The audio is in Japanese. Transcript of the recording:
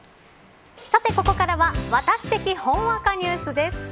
さて、ここからはワタシ的ほんわかニュースです。